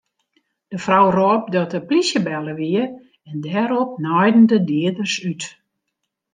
De frou rôp dat de plysje belle wie en dêrop naaiden de dieders út.